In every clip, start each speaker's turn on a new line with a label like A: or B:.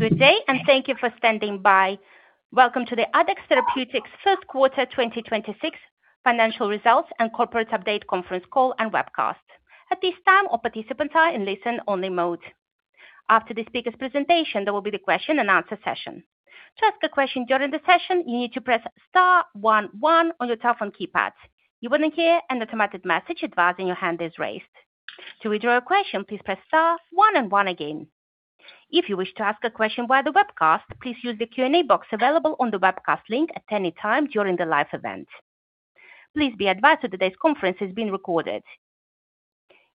A: Good day, thank you for standing by. Welcome to the Addex Therapeutics first quarter 2026 financial results and corporate update conference call and webcast. At this time, all participants are in listen only mode. After the speaker's presentation, there will be the question and answer session. To ask a question during the session, you need to press star one one on your telephone keypad. You will hear an automatic message advising your hand is raised. To withdraw your question, please press star one and one again. If you wish to ask a question via the webcast, please use the Q&A box available on the webcast link at any time during the live event. Please be advised that today's conference is being recorded.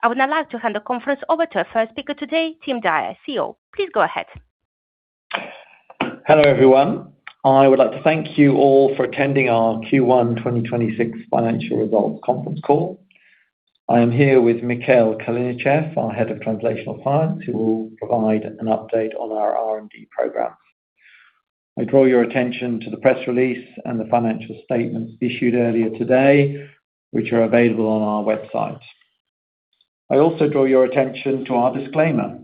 A: I would now like to hand the conference over to our first speaker today, Tim Dyer, CEO. Please go ahead.
B: Hello, everyone. I would like to thank you all for attending our Q1 2026 financial results conference call. I am here with Mikhail Kalinichev, our Head of Translational Science, who will provide an update on our R&D program. I draw your attention to the press release and the financial statements issued earlier today, which are available on our website. I also draw your attention to our disclaimer.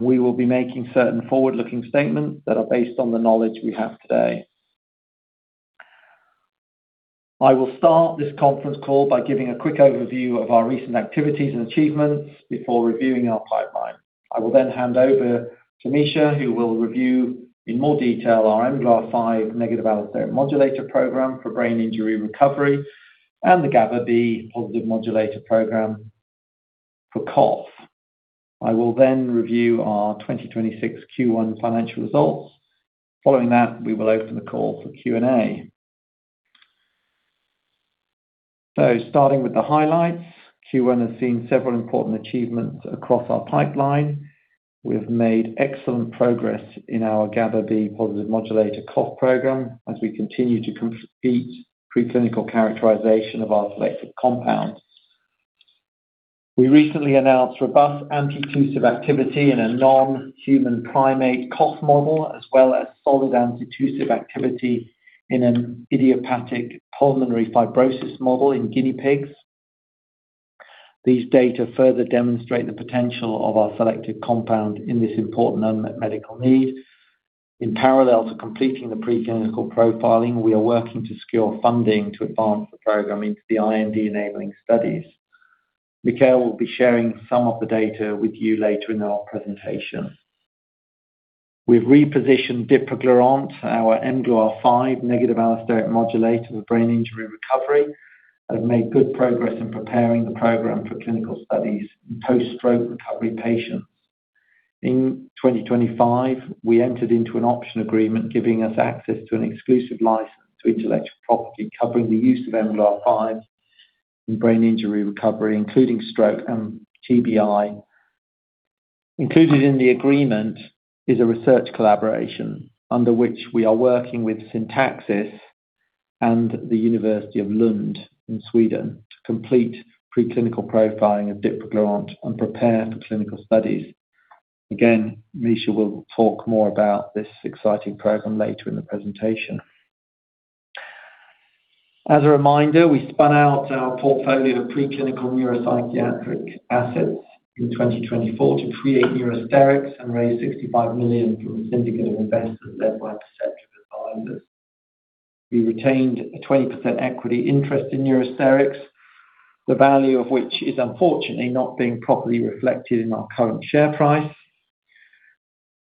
B: We will be making certain forward-looking statements that are based on the knowledge we have today. I will start this conference call by giving a quick overview of our recent activities and achievements before reviewing our pipeline. I will hand over to Misha, who will review in more detail our mGluR5 Negative Allosteric Modulator program for brain injury recovery and the GABAB positive modulator program for cough. I will review our 2026 Q1 financial results. Following that, we will open the call for Q&A. Starting with the highlights, Q1 has seen several important achievements across our pipeline. We've made excellent progress in our GABAB positive modulator cough program as we continue to complete preclinical characterization of our selected compounds. We recently announced robust antitussive activity in a non-human primate cough model, as well as solid antitussive activity in an idiopathic pulmonary fibrosis model in guinea pigs. These data further demonstrate the potential of our selected compound in this important unmet medical need. In parallel to completing the preclinical profiling, we are working to secure funding to advance the program into the IND-enabling studies. Mikhail will be sharing some of the data with you later in our presentation. We've repositioned dipraglurant our mGluR5 Negative Allosteric Modulator for brain injury recovery, and have made good progress in preparing the program for clinical studies in post-stroke recovery patients. In 2025, we entered into an option agreement giving us access to an exclusive license to intellectual property covering the use of mGluR5 in brain injury recovery, including stroke and TBI. Included in the agreement is a research collaboration under which we are working with Sinntaxis and Lund University in Sweden to complete preclinical profiling of Dipraglurant and prepare for clinical studies. Again, Misha will talk more about this exciting program later in the presentation. As a reminder, we spun out our portfolio of preclinical neuropsychiatric assets in 2024 to create Neurosterix and raised 65 million from a syndicate of investors led by Perceptive Advisors. We retained a 20% equity interest in Neurosterix, the value of which is unfortunately not being properly reflected in our current share price.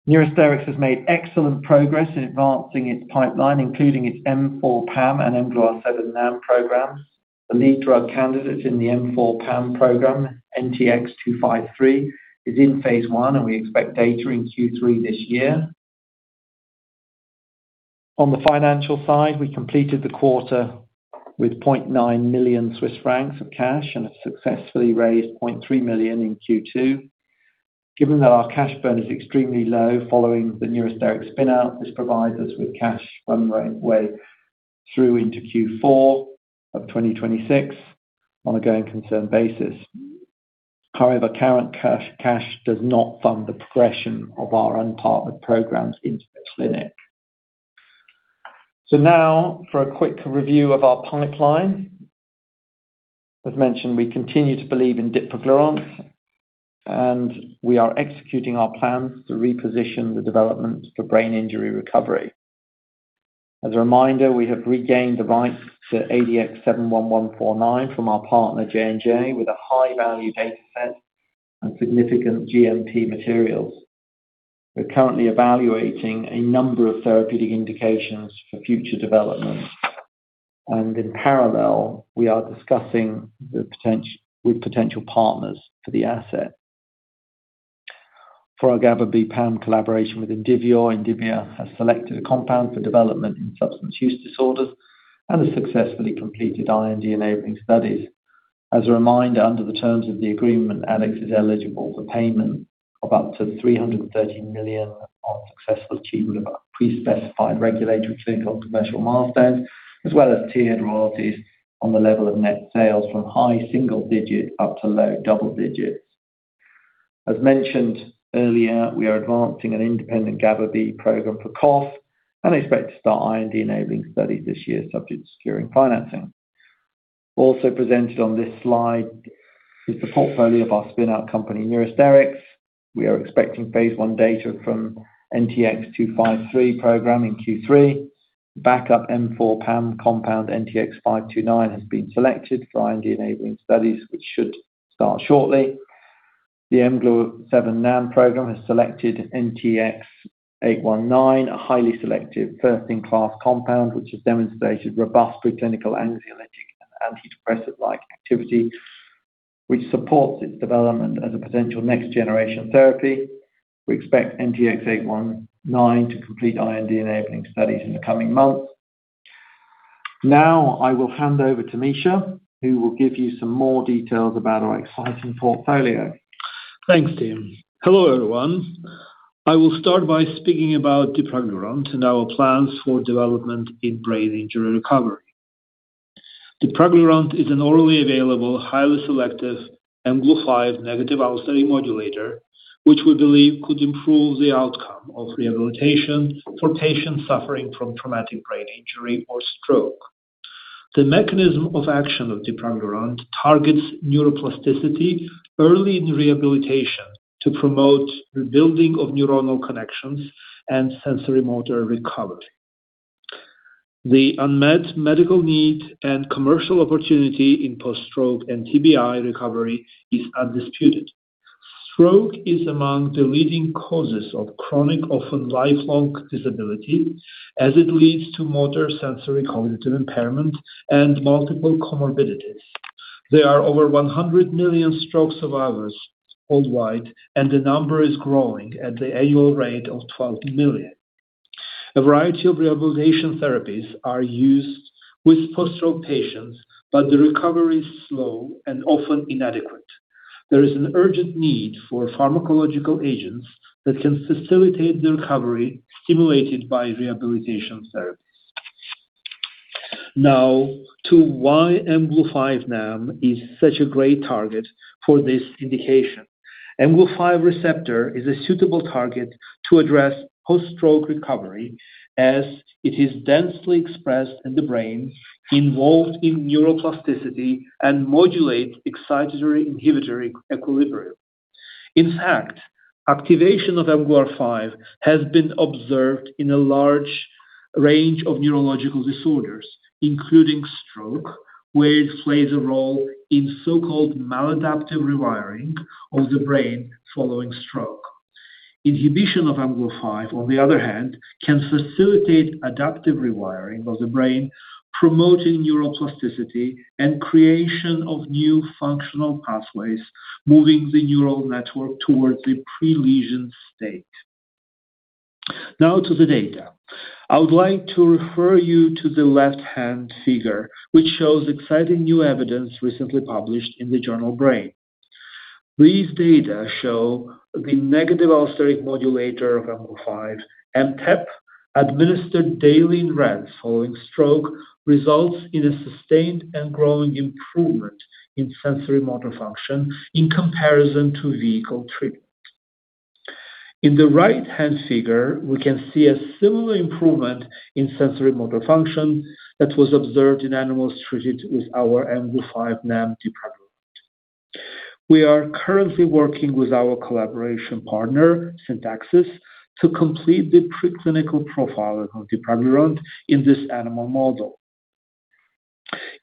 B: Neurosterix has made excellent progress in advancing its pipeline, including its M4 PAM and mGluR7 NAM programs. The lead drug candidate in the M4 PAM program, NTX-253, is in phase I, and we expect data in Q3 this year. On the financial side, we completed the quarter with 0.9 million Swiss francs of cash and have successfully raised 0.3 million in Q2. Given that our cash burn is extremely low following the Neurosterix spin-out, this provides us with cash runway through into Q4 of 2026 on a going concern basis. Now for a quick review of our pipeline. As mentioned, we continue to believe in dipraglurant, we are executing our plans to reposition the development for brain injury recovery. As a reminder, we have regained the rights to ADX71149 from our partner J&J with a high-value dataset and significant GMP materials. We're currently evaluating a number of therapeutic indications for future development, in parallel, we are discussing with potential partners for the asset. For our GABAB PAM collaboration with Indivior has selected a compound for development in substance use disorders and has successfully completed IND-enabling studies. As a reminder, under the terms of the agreement, Addex is eligible for payment of up to 330 million on successful achievement of pre-specified regulatory, clinical, commercial milestones, as well as tiered royalties on the level of net sales from high single digit up to low double digits. As mentioned earlier, we are advancing an independent GABAB program for cough and expect to start IND-enabling studies this year subject to securing financing. Presented on this slide is the portfolio of our spin-out company, Neurosterix. We are expecting phase I data from NTX-253 program in Q3. Backup M4 PAM compound, NTX-529, has been selected for IND-enabling studies, which should start shortly. The mGlu7 NAM program has selected NTX-819, a highly selective first-in-class compound, which has demonstrated robust preclinical anxiolytic and antidepressant-like activity, which supports its development as a potential next-generation therapy. We expect NTX-819 to complete IND-enabling studies in the coming months. Now, I will hand over to Misha, who will give you some more details about our exciting portfolio.
C: Thanks, Tim. Hello, everyone. I will start by speaking about dipraglurant and our plans for development in brain injury recovery. Dipraglurant is an orally available, highly selective mGlu5 Negative Allosteric Modulator, which we believe could improve the outcome of rehabilitation for patients suffering from traumatic brain injury or stroke. The mechanism of action of dipraglurant targets neuroplasticity early in rehabilitation to promote rebuilding of neuronal connections and sensorimotor recovery. The unmet medical need and commercial opportunity in post-stroke and TBI recovery is undisputed. Stroke is among the leading causes of chronic, often lifelong disability, as it leads to motor, sensory, cognitive impairment, and multiple comorbidities. There are over 100 million stroke survivors worldwide, the number is growing at the annual rate of 12 million. A variety of rehabilitation therapies are used with post-stroke patients, but the recovery is slow and often inadequate. There is an urgent need for pharmacological agents that can facilitate the recovery stimulated by rehabilitation therapies. To why mGlu5 NAM is such a great target for this indication. mGlu5 receptor is a suitable target to address post-stroke recovery, as it is densely expressed in the brain, involved in neuroplasticity, and modulates excitatory-inhibitory equilibrium. In fact, activation of mGlu5 has been observed in a large range of neurological disorders, including stroke, where it plays a role in so-called maladaptive rewiring of the brain following stroke. Inhibition of mGlu5, on the other hand, can facilitate adaptive rewiring of the brain, promoting neuroplasticity and creation of new functional pathways, moving the neural network towards a pre-lesion state. To the data. I would like to refer you to the left-hand figure, which shows exciting new evidence recently published in the journal Brain. These data show the Negative Allosteric Modulator of mGlu5, MTEP, administered daily in red following stroke, results in a sustained and growing improvement in sensorimotor function in comparison to vehicle treatment. In the right-hand figure, we can see a similar improvement in sensorimotor function that was observed in animals treated with our mGlu5 NAM dipraglurant. We are currently working with our collaboration partner, Sinntaxis, to complete the preclinical profiling of dipraglurant in this animal model.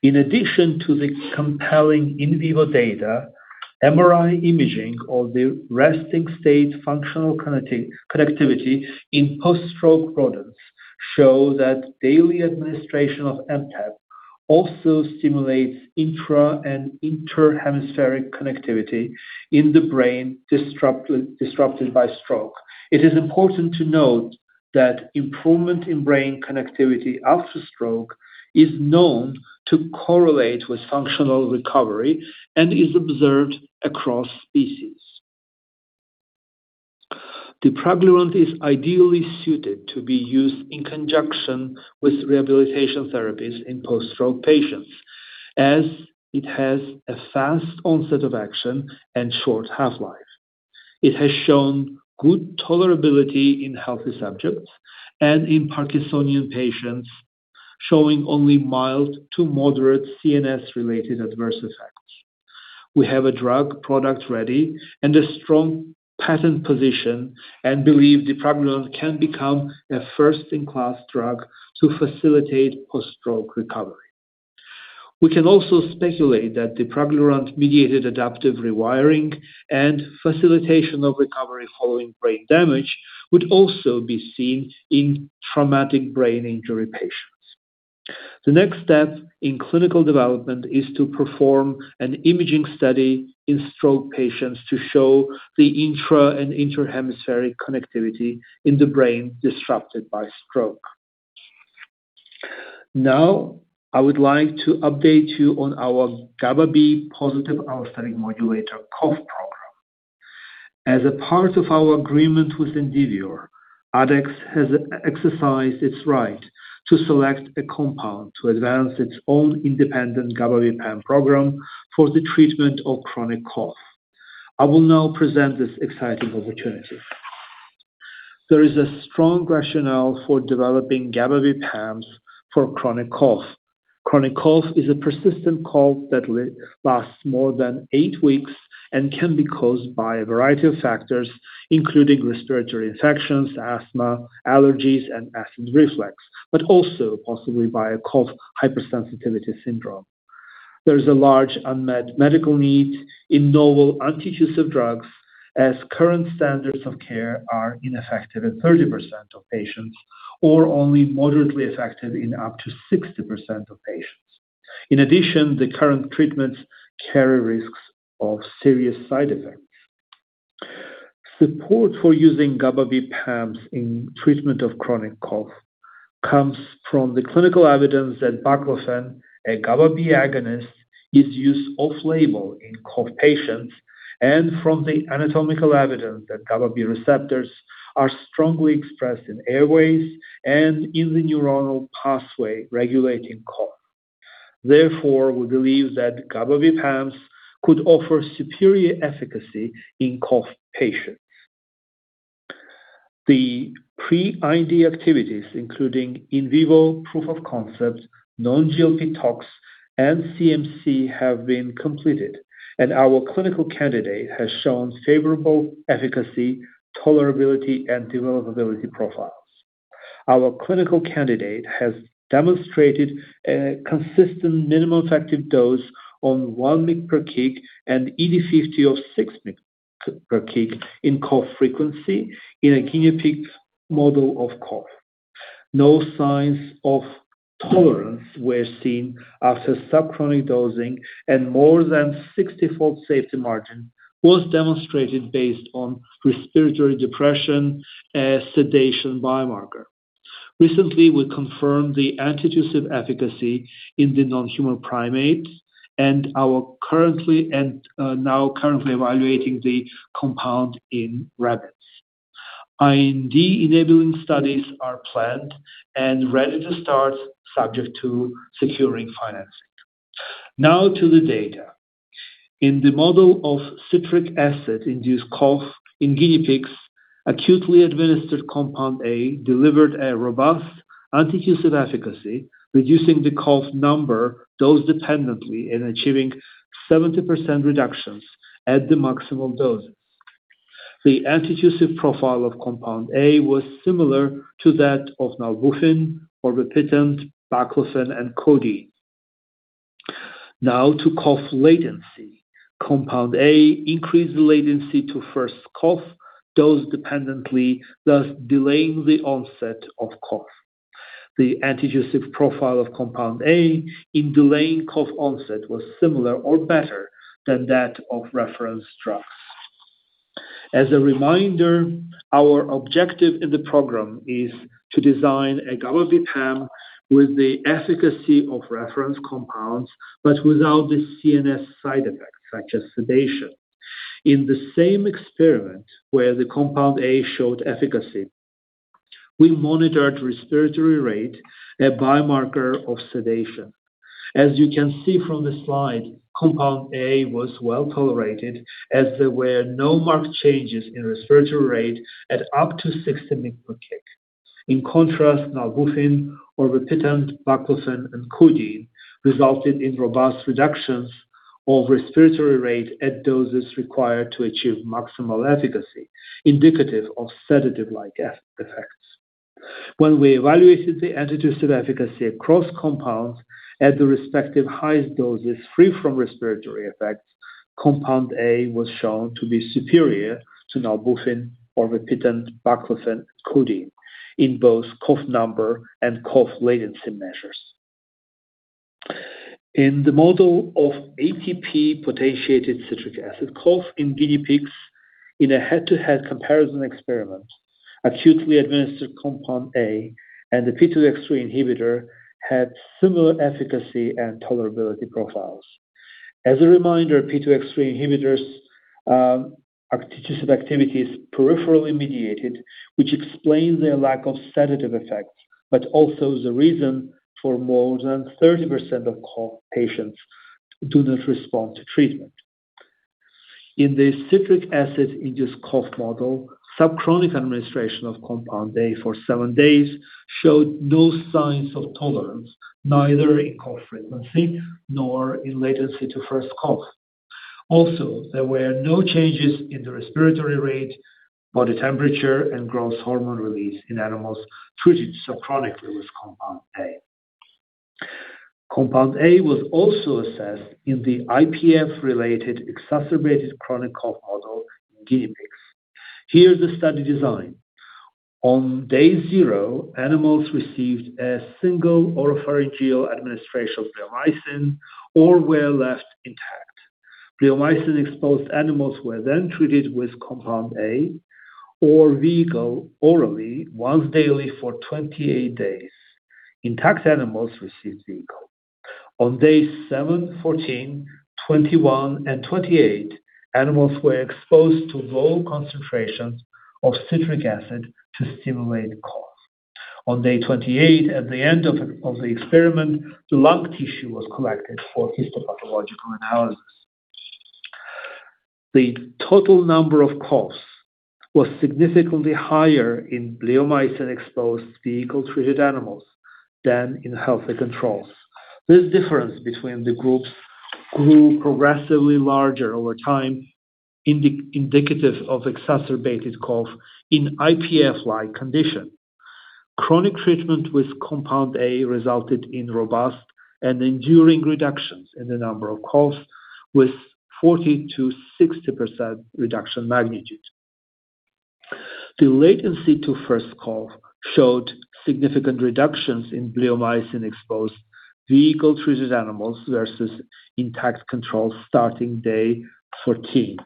C: In addition to the compelling in vivo data, MRI imaging of the resting state functional connectivity in post-stroke products show that daily administration of MTEP also stimulates intra and inter-hemispheric connectivity in the brain disrupted by stroke. It is important to note that improvement in brain connectivity after stroke is known to correlate with functional recovery and is observed across species. Dipraglurant is ideally suited to be used in conjunction with rehabilitation therapies in post-stroke patients, as it has a fast onset of action and short half-life. It has shown good tolerability in healthy subjects and in Parkinsonian patients, showing only mild to moderate CNS-related adverse effects. We have a drug product ready and a strong patent position, and believe dipraglurant can become a first-in-class drug to facilitate post-stroke recovery. We can also speculate that Dipraglurant-mediated adaptive rewiring and facilitation of recovery following brain damage would also be seen in traumatic brain injury patients. The next step in clinical development is to perform an imaging study in stroke patients to show the intra and inter-hemispheric connectivity in the brain disrupted by stroke. I would like to update you on our GABAB positive allosteric modulator cough program. As a part of our agreement with Indivior, Addex has exercised its right to select a compound to advance its own independent GABAB PAM program for the treatment of chronic cough. I will now present this exciting opportunity. There is a strong rationale for developing GABAB PAMs for chronic cough. Chronic cough is a persistent cough that lasts more than eight weeks and can be caused by a variety of factors, including respiratory infections, asthma, allergies, and acid reflux, but also possibly by a cough hypersensitivity syndrome. There is a large unmet medical need in novel antitussive drugs as current standards of care are ineffective in 30% of patients, or only moderately effective in up to 60% of patients. In addition, the current treatments carry risks of serious side effects. Support for using GABAB PAMs in treatment of chronic cough comes from the clinical evidence that baclofen, a GABAB agonist, is used off-label in cough patients and from the anatomical evidence that GABAB receptors are strongly expressed in airways and in the neuronal pathway regulating cough. We believe that GABAB PAMs could offer superior efficacy in cough patients. The pre-IND activities, including in vivo proof of concept, non-GLP tox, and CMC, have been completed, and our clinical candidate has shown favorable efficacy, tolerability, and developability profiles. Our clinical candidate has demonstrated a consistent minimum effective dose on one mg per kg and ED50 of six mg per kg in cough frequency in a guinea pig model of cough. No signs of tolerance were seen after subchronic dosing, and more than 60-fold safety margin was demonstrated based on respiratory depression as sedation biomarker. Recently, we confirmed the antitussive efficacy in the non-human primates and now currently evaluating the compound in rabbits. IND-enabling studies are planned and ready to start, subject to securing financing. To the data. In the model of citric acid-induced cough in guinea pigs, acutely administered compound A delivered a robust antitussive efficacy, reducing the cough number dose dependently and achieving 70% reductions at the maximum dosage. The antitussive profile of compound A was similar to that of nalbuphine, or vestipitant, baclofen, and codeine. To cough latency. Compound A increased the latency to first cough dose dependently, thus delaying the onset of cough. The antitussive profile of compound A in delaying cough onset was similar or better than that of reference drugs. As a reminder, our objective in the program is to design a GABAB PAM with the efficacy of reference compounds, but without the CNS side effects such as sedation. In the same experiment where the compound A showed efficacy, we monitored respiratory rate, a biomarker of sedation. As you can see from the slide, compound A was well-tolerated, as there were no marked changes in respiratory rate at up to 60 mg per kg. In contrast, nalbuphine or vestipitant, baclofen, and codeine resulted in robust reductions of respiratory rate at doses required to achieve maximal efficacy, indicative of sedative-like effects. When we evaluated the antitussive efficacy across compounds at the respective highest doses free from respiratory effects, compound A was shown to be superior to nalbuphine or vestipitant, baclofen, and codeine in both cough number and cough latency measures. In the model of ATP-potentiated citric acid cough in guinea pigs in a head-to-head comparison experiment, acutely administered compound A and the P2X3 inhibitor had similar efficacy and tolerability profiles. As a reminder, P2X3 inhibitors' antitussive activity is peripherally mediated, which explains their lack of sedative effects, but also the reason for more than 30% of cough patients who do not respond to treatment. In the citric acid-induced cough model, subchronic administration of compound A for seven days showed no signs of tolerance, neither in cough frequency nor in latency to first cough. Also, there were no changes in the respiratory rate, body temperature, and growth hormone release in animals treated subchronically with compound A. Compound A was also assessed in the IPF-related exacerbated chronic cough model in guinea pigs. Here is the study design. On day zero, animals received a single oropharyngeal administration of bleomycin or were left intact. Bleomycin-exposed animals were then treated with compound A or vehicle orally once daily for 28 days. Intact animals received vehicle. On day seven, 14, 21, and 28, animals were exposed to low concentrations of citric acid to stimulate cough. On day 28, at the end of the experiment, lung tissue was collected for histopathological analysis. The total number of coughs was significantly higher in bleomycin-exposed vehicle-treated animals than in healthy controls. This difference between the groups grew progressively larger over time, indicative of exacerbated cough in IPF-like condition. Chronic treatment with compound A resulted in robust and enduring reductions in the number of coughs with 40%-60% reduction magnitude. The latency to first cough showed significant reductions in bleomycin-exposed vehicle-treated animals versus intact control starting day 14.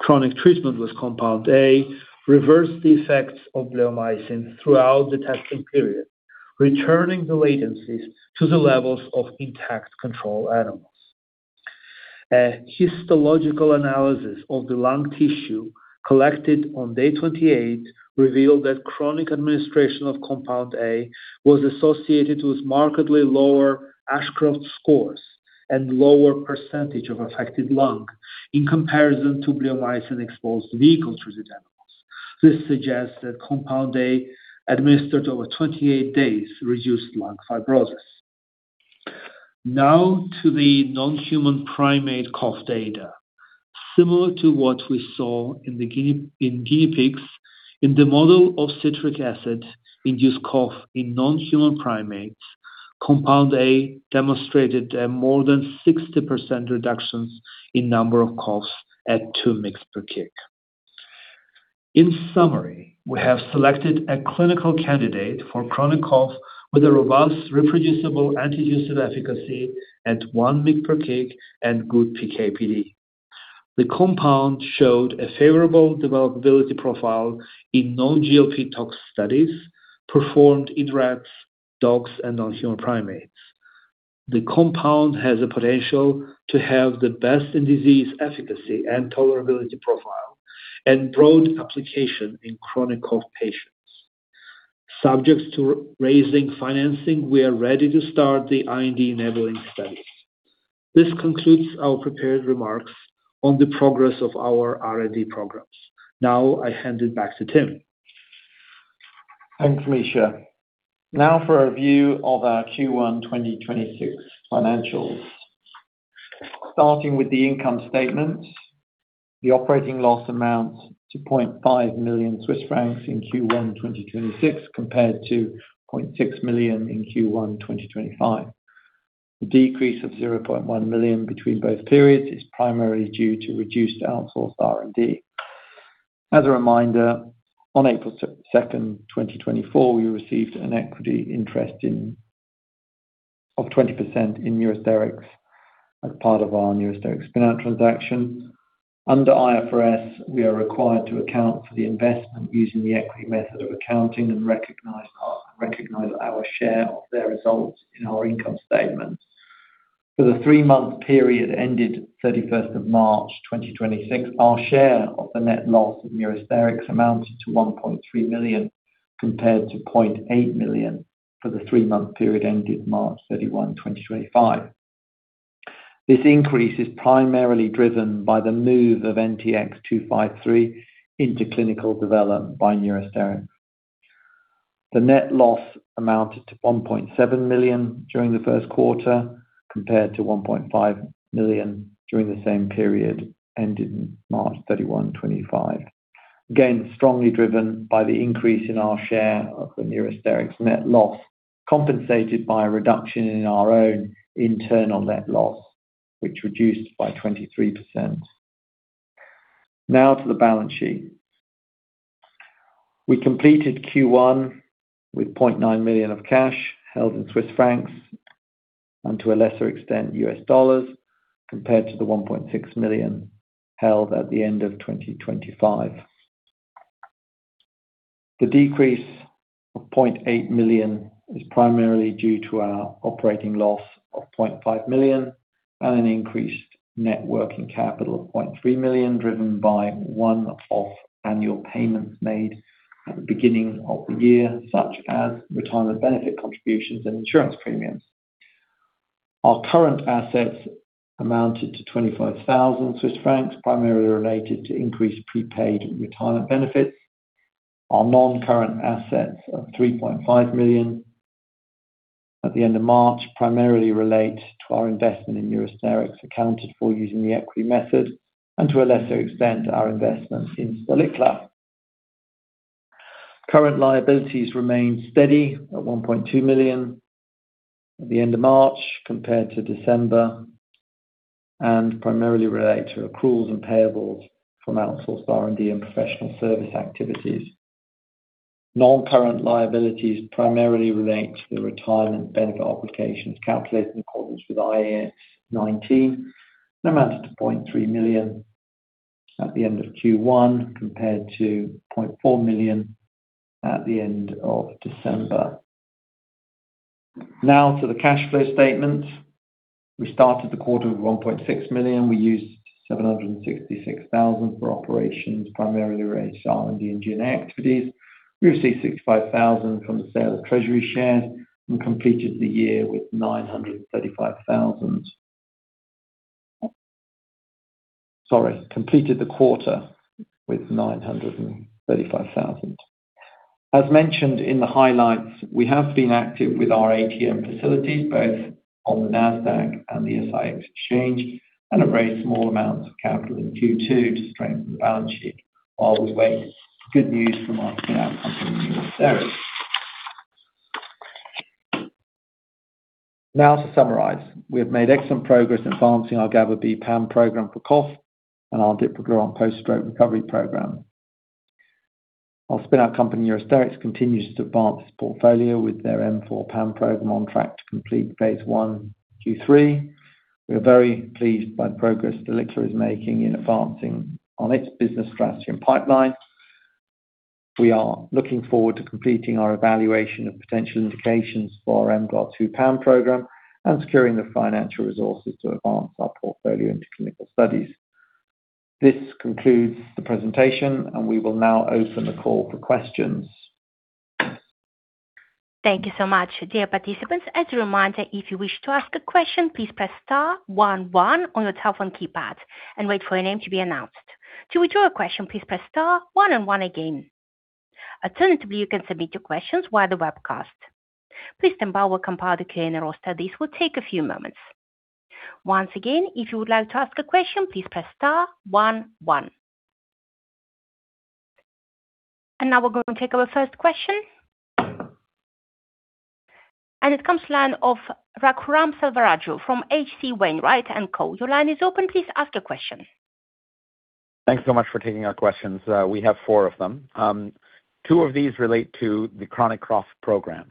C: Chronic treatment with compound A reversed the effects of bleomycin throughout the testing period, returning the latencies to the levels of intact control animals. A histological analysis of the lung tissue collected on day 28 revealed that chronic administration of compound A was associated with markedly lower Ashcroft scores and lower percentage of affected lung in comparison to bleomycin-exposed vehicle-treated animals. This suggests that compound A administered over 28 days reduced lung fibrosis. To the non-human primate cough data. Similar to what we saw in guinea pigs, in the model of citric acid-induced cough in non-human primates, compound A demonstrated a more than 60% reductions in number of coughs at 2 mg per kg. In summary, we have selected a clinical candidate for chronic cough with a robust, reproducible antitussive efficacy at 1 mg per kg and good PK/PD. The compound showed a favorable developability profile in non-GLP tox studies performed in rats, dogs, and non-human primates. The compound has the potential to have the best in disease efficacy and tolerability profile, and broad application in chronic cough patients. Subject to raising financing, we are ready to start the IND-enabling studies. This concludes our prepared remarks on the progress of our R&D programs. I hand it back to Tim.
B: Thanks, Misha. For a view of our Q1 2026 financials. With the income statement. The operating loss amounts to 0.5 million Swiss francs in Q1 2026, compared to 0.6 million in Q1 2025. The decrease of 0.1 million between both periods is primarily due to reduced outsourced R&D. As a reminder, on April 2nd, 2024, we received an equity interest of 20% in Neurosterix as part of our Neurosterix spin-out transaction. Under IFRS, we are required to account for the investment using the equity method of accounting and recognize our share of their results in our income statement. For the three-month period ended 31st of March 2026, our share of the net loss of Neurosterix amounted to 1.3 million, compared to 0.8 million for the three-month period ended March 31, 2025. This increase is primarily driven by the move of NTX-253 into clinical development by Neurosterix. The net loss amounted to 1.7 million during the first quarter, compared to 1.5 million during the same period ended March 31, 2025. It was strongly driven by the increase in our share of the Neurosterix net loss, compensated by a reduction in our own internal net loss, which reduced by 23%. To the balance sheet. We completed Q1 with 0.9 million of cash held in Swiss francs, and to a lesser extent, US dollars, compared to the 1.6 million held at the end of 2025. The decrease of 0.8 million is primarily due to our operating loss of 0.5 million and an increased net working capital of 0.3 million, driven by one-off annual payments made at the beginning of the year, such as retirement benefit contributions and insurance premiums. Our current assets amounted to 25,000 Swiss francs, primarily related to increased prepaid retirement benefits. Our non-current assets of 3.5 million at the end of March primarily relate to our investment in Neurosterix accounted for using the equity method, and to a lesser extent, our investment in Stalicla. Current liabilities remained steady at 1.2 million at the end of March compared to December, and primarily relate to accruals and payables from outsourced R&D and professional service activities. Non-current liabilities primarily relate to the retirement benefit obligations calculated in accordance with IAS 19 and amounted to 0.3 million at the end of Q1 compared to 0.4 million at the end of December. To the cash flow statement. We started the quarter with 1.6 million. We used 766,000 for operations, primarily R&D engine activities. We received 65,000 from the sale of treasury shares and completed the year with 935,000 Sorry, completed the quarter with 935,000. As mentioned in the highlights, we have been active with our ATM facilities, both on the Nasdaq and the SIX exchange, and have raised small amounts of capital in Q2 to strengthen the balance sheet while we wait for good news from our spin-out company, Neurosterix. To summarize, we have made excellent progress in advancing our GABAB PAM program for cough and our dipraglurant post-stroke recovery program. Our spin-out company, Neurosterix, continues to advance its portfolio with their M4 PAM program on track to complete Phase I Q3. We are very pleased by the progress Delixia is making in advancing on its business strategy and pipeline. We are looking forward to completing our evaluation of potential indications for our mGlu2 PAM program and securing the financial resources to advance our portfolio into clinical studies. This concludes the presentation. We will now open the call for questions.
A: Thank you so much. Dear participants, as a reminder, if you wish to ask a question, please press star one one on your telephone keypad and wait for your name to be announced. To withdraw your question, please press star one and one again. Alternatively, you can submit your questions via the webcast. Please stand by while we compile the Q&A roster. This will take a few moments. Once again, if you would like to ask a question, please press star one one. Now we are going to take our first question. It comes line of Raghuram Selvaraju from H.C. Wainwright & Co. Your line is open. Please ask the question.
D: Thanks so much for taking our questions. We have four of them. Two of these relate to the chronic cough program.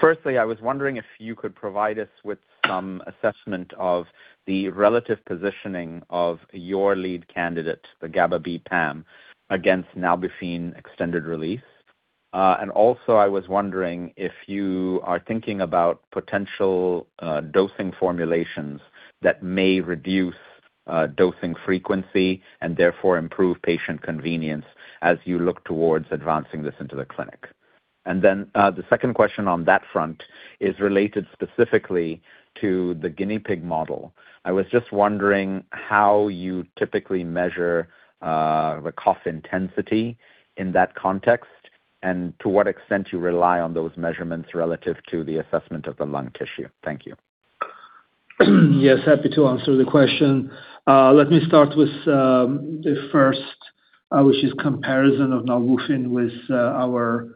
D: Firstly, I was wondering if you could provide us with some assessment of the relative positioning of your lead candidate, the GABAB PAM, against nalbuphine extended release. Also, I was wondering if you are thinking about potential dosing formulations that may reduce dosing frequency and therefore improve patient convenience as you look towards advancing this into the clinic. The second question on that front is related specifically to the guinea pig model. I was just wondering how you typically measure the cough intensity in that context and to what extent you rely on those measurements relative to the assessment of the lung tissue. Thank you.
C: Yes, happy to answer the question. Let me start with the first, which is comparison of nalbuphine with our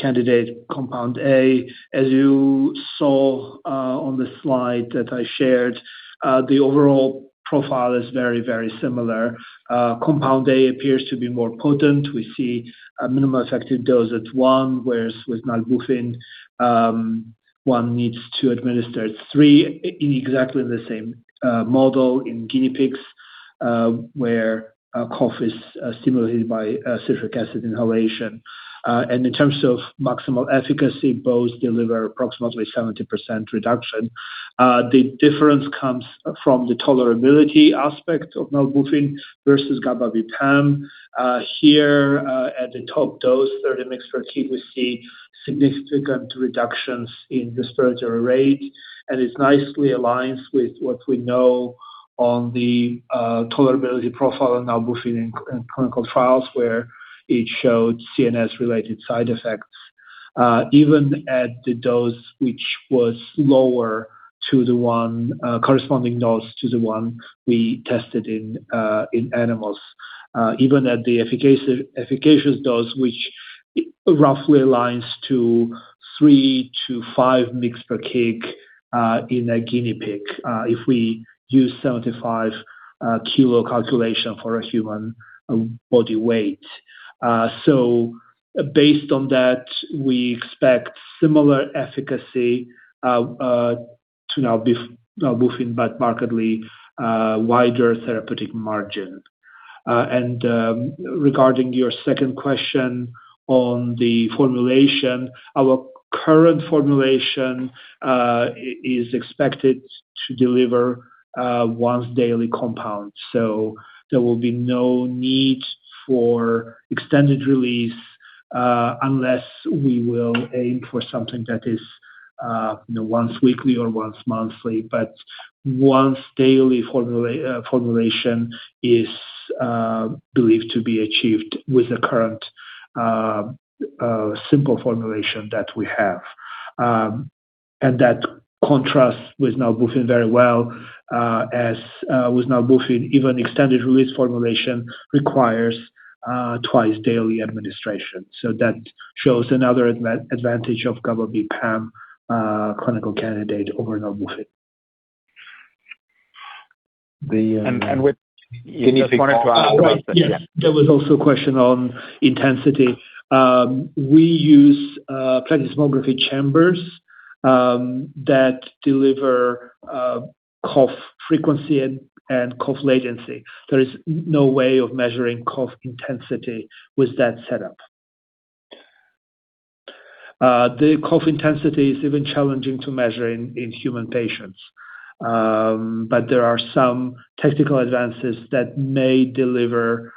C: candidate compound A. As you saw on the slide that I shared, the overall profile is very similar. Compound A appears to be more potent. We see a minimal effective dose at 1, whereas with nalbuphine, one needs to administer 3 in exactly the same model in guinea pigs, where cough is stimulated by citric acid inhalation. In terms of maximal efficacy, both deliver approximately 70% reduction. The difference comes from the tolerability aspect of nalbuphine versus GABAB PAM. Here, at the top dose, 30 mg per kg, we see significant reductions in the respiratory rate, and it nicely aligns with what we know on the tolerability profile of nalbuphine in clinical trials, where it showed CNS-related side effects, even at the dose which was lower, corresponding dose to the one we tested in animals. Even at the efficacious dose, which roughly aligns to 3-5 mg per kg in a guinea pig, if we use 75 kg calculation for a human body weight. So based on that, we expect similar efficacy to nalbuphine, but markedly wider therapeutic margin. Regarding your second question on the formulation, our current formulation is expected to deliver once daily compound. So there will be no need for extended release unless we will aim for something that is once weekly or once monthly. Once daily formulation is believed to be achieved with the current simple formulation that we have. That contrasts with nalbuphine very well, as with nalbuphine, even extended release formulation requires twice-daily administration. That shows another advantage of GABAB PAM clinical candidate over nalbuphine.
D: With the guinea pig model-
C: Right. Yes. There was also a question on intensity. We use plethysmography chambers that deliver cough frequency and cough latency. There is no way of measuring cough intensity with that setup. The cough intensity is even challenging to measure in human patients. There are some technical advances that may deliver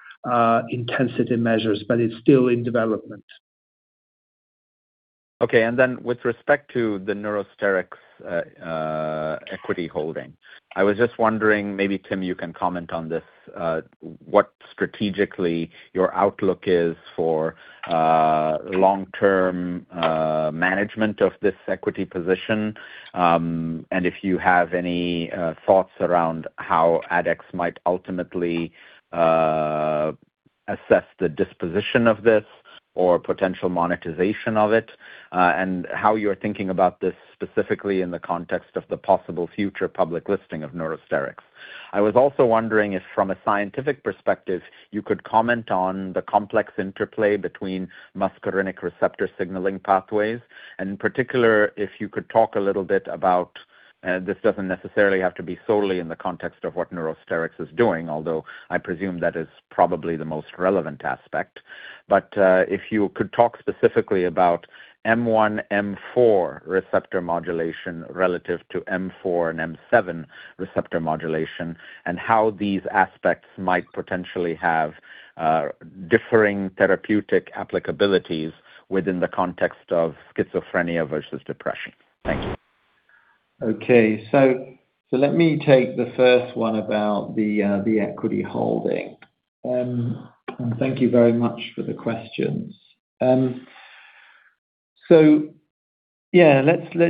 C: intensity measures, but it's still in development.
D: With respect to the Neurosterix equity holding, I was just wondering, maybe Tim, you can comment on this, what strategically your outlook is for long-term management of this equity position. If you have any thoughts around how Addex might ultimately assess the disposition of this or potential monetization of it. How you're thinking about this specifically in the context of the possible future public listing of Neurosterix. I was also wondering if from a scientific perspective, you could comment on the complex interplay between muscarinic receptor signaling pathways. In particular, if you could talk a little bit about, this doesn't necessarily have to be solely in the context of what Neurosterix is doing, although I presume that is probably the most relevant aspect. If you could talk specifically about M1, M4 receptor modulation relative to M4 and M7 receptor modulation, and how these aspects might potentially have differing therapeutic applicabilities within the context of schizophrenia versus depression. Thank you.
B: Okay. Let me take the first one about the equity holding. Thank you very much for the questions. Let's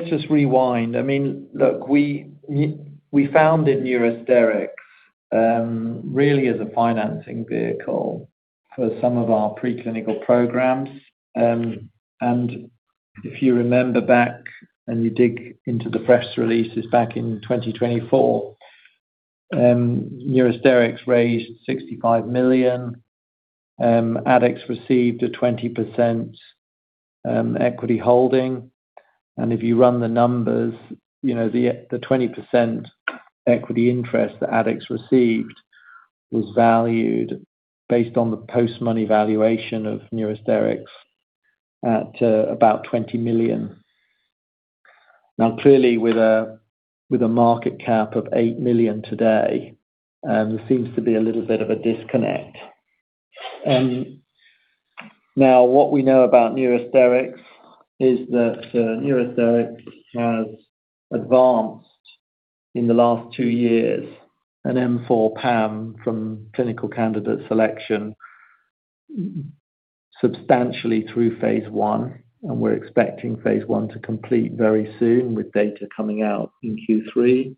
B: just rewind. Look, we founded Neurosterix really as a financing vehicle for some of our preclinical programs. If you remember back and you dig into the press releases back in 2024, Neurosterix raised 65 million. Addex received a 20% equity holding. If you run the numbers, the 20% equity interest that Addex received was valued based on the post-money valuation of Neurosterix at about 20 million. Clearly with a market cap of 8 million today, there seems to be a little bit of a disconnect. What we know about Neurosterix is that Neurosterix has advanced in the last two years an M4 PAM from clinical candidate selection substantially through phase I, and we're expecting phase I to complete very soon, with data coming out in Q3.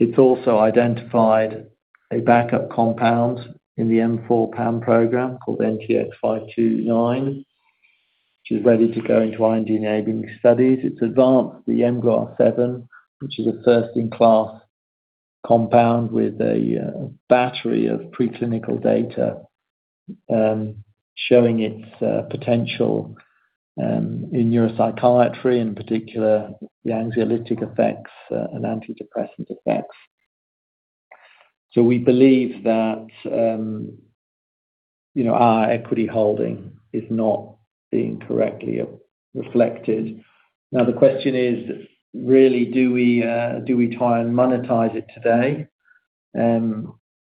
B: It's also identified a backup compound in the M4 PAM program called NTX-529, which is ready to go into IND-enabling studies. It's advanced the mGluR7, which is a first-in-class compound with a battery of preclinical data showing its potential in neuropsychiatry, in particular the anxiolytic effects and antidepressant effects. We believe that our equity holding is not being correctly reflected. The question is, really do we try and monetize it today?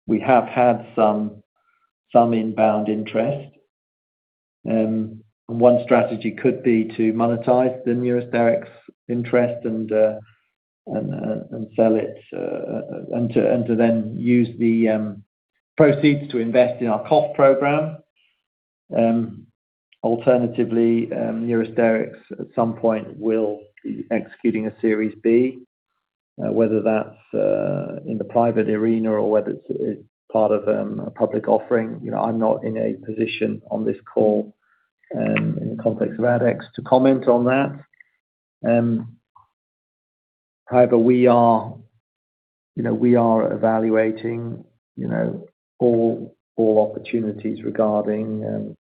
B: We have had some inbound interest. One strategy could be to monetize the Neurosterix interest and sell it, and to then use the proceeds to invest in our cough program. Alternatively, Neurosterix at some point will be executing a Series B whether that's in the private arena or whether it's part of a public offering. I'm not in a position on this call, in the context of Addex, to comment on that. However, we are evaluating all opportunities regarding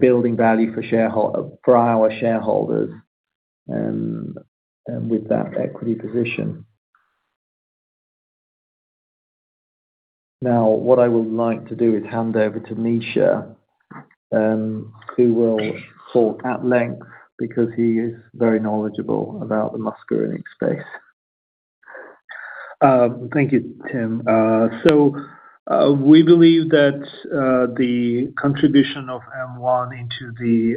B: building value for our shareholders and with that equity position. What I would like to do is hand over to Misha, who will talk at length because he is very knowledgeable about the muscarinic space.
C: Thank you, Tim. We believe that the contribution of M1 into the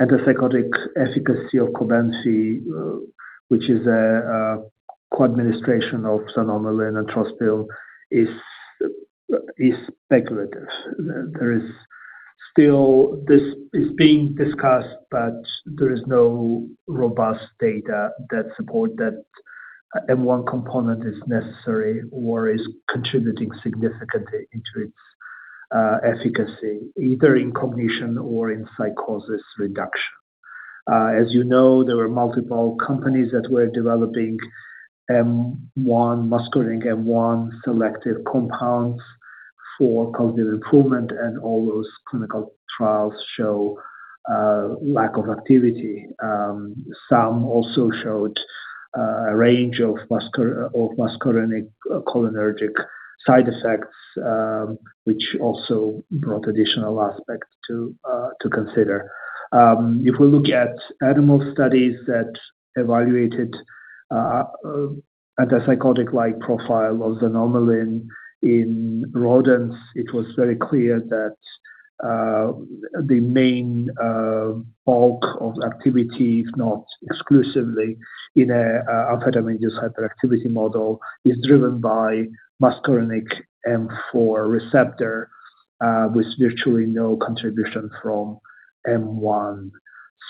C: antipsychotic efficacy of Cobenfy, which is a co-administration of xanomeline and trospium, is speculative. Still this is being discussed, but there is no robust data that support that M1 component is necessary or is contributing significantly into its efficacy, either in cognition or in psychosis reduction. As you know, there were multiple companies that were developing muscarinic M1 selective compounds for cognitive improvement, and all those clinical trials show a lack of activity. Some also showed a range of muscarinic cholinergic side effects, which also brought additional aspects to consider. If we look at animal studies that evaluated antipsychotic-like profile of xanomeline in rodents, it was very clear that the main bulk of activity, if not exclusively in an amphetamine-induced hyperactivity model, is driven by muscarinic M4 receptor with virtually no contribution from M1.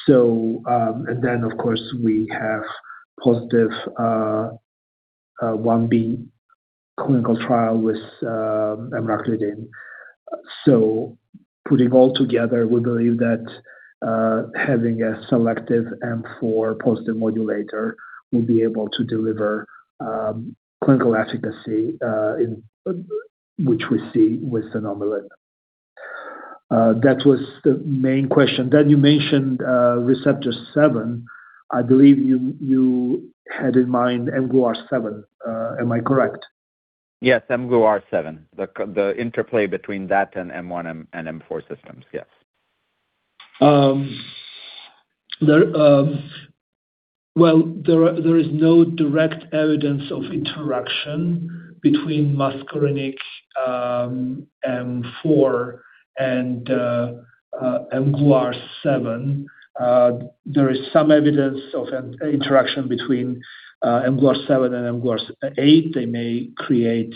C: Of course, we have positive phase I-B clinical trial with emraclidine. Putting all together, we believe that having a selective M4 positive modulator will be able to deliver clinical efficacy which we see with xanomeline. That was the main question. You mentioned receptor seven, I believe you had in mind mGluR7. Am I correct?
D: Yes, mGluR7. The interplay between that and M1 and M4 systems. Yes.
C: There is no direct evidence of interaction between muscarinic M4 and mGluR7. There is some evidence of an interaction between mGluR7 and mGluR8. They may create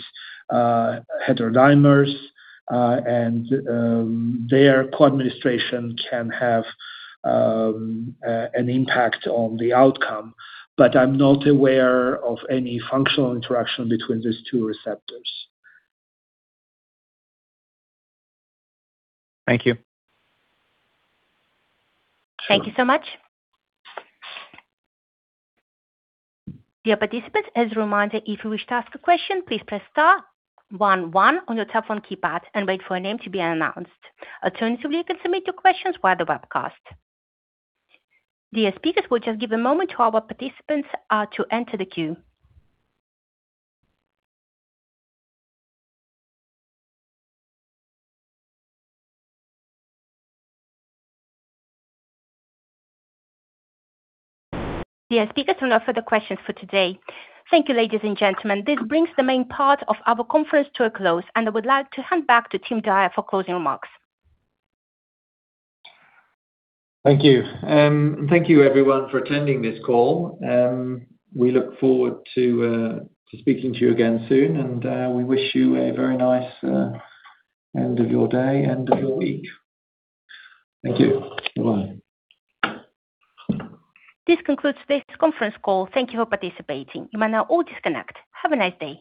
C: heterodimers, and their co-administration can have an impact on the outcome. I'm not aware of any functional interaction between these two receptors.
D: Thank you.
A: Thank you so much. Dear participants, as a reminder, if you wish to ask a question, please press star one on your telephone keypad and wait for a name to be announced. Alternatively, you can submit your questions via the webcast. Dear speakers, we'll just give a moment to our participants to enter the queue. Dear speakers, there are no further questions for today. Thank you, ladies and gentlemen. This brings the main part of our conference to a close, and I would like to hand back to Tim Dyer for closing remarks.
B: Thank you. Thank you everyone for attending this call. We look forward to speaking to you again soon, and we wish you a very nice end of your day, end of your week. Thank you. Goodbye.
A: This concludes this conference call. Thank you for participating. You may now all disconnect. Have a nice day.